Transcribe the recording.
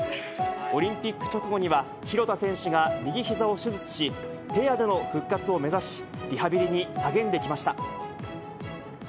オリンピック直後には廣田選手が右ひざを手術し、ペアでの復活を目指し、リハビリに励んできました。